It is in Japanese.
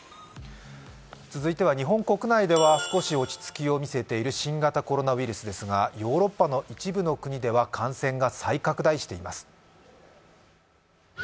続いては日本国内では少し落ち着きを見せている新型コロナウイルスですが、ヨーロッパの一部の国では感染が再拡大しています。